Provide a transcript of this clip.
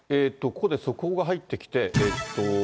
ここで速報が入ってきて。